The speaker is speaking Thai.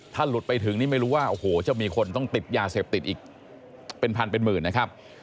ถ้าหลุดไปถึงนี่ไม่รู้ว่าโอ้โหจะมีคนต้องติดยาเสพติดอีกเป็นพันเป็นหมื่นนะครับ